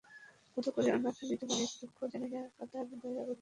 বোধ করি অনাথা বিধবা নিজ দুঃখ জানাইয়া কর্তার দয়া উদ্রেক করিয়াছিল।